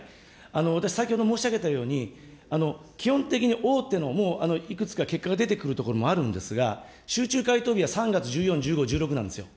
私、先ほど申し上げたように、基本的に大手のもう、いくつか結果が出てくるところもあるんですが、集中回答日は３月１４、１５、１６なんですよ。